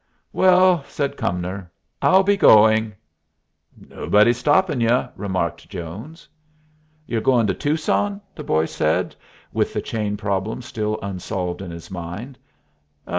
"Well," said Cumnor, "I'll be going." "Nobody's stopping y'u," remarked Jones. "You're going to Tucson?" the boy said, with the chain problem still unsolved in his mind.